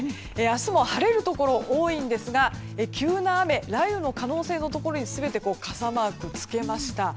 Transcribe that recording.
明日も晴れるところが多いんですが急な雨、雷雨の可能性のところに全て傘マークをつけました。